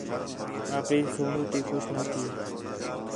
اپݨی سوہڑوں تی خوش نہ تھی